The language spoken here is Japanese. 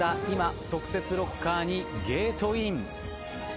今特設ロッカーにゲートイン。